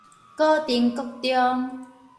古亭國中